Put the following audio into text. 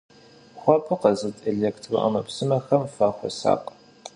Хуабэ къэзыт электроӏэмэпсымэхэм фахуэсакъ.